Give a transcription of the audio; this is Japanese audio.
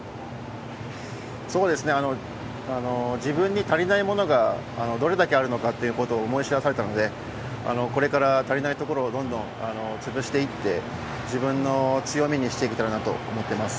そうですね、自分に足りないものがどれだけあるのかってことを思い知らされたので、これから足りないところをどんどん潰していって、自分の強みにしていけたらなと思ってます。